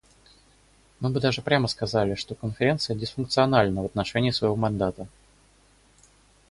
Мы бы даже прямо сказали, что Конференция дисфункциональна в отношении своего мандата.